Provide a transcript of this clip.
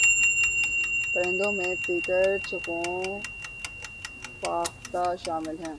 پرندوں میں تیتر چکور فاختہ شامل ہیں